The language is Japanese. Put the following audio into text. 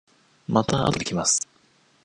またあとで来ます。